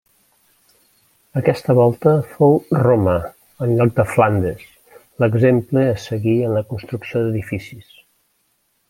Aquesta volta fou Roma, en lloc de Flandes, l'exemple a seguir en la construcció d'edificis.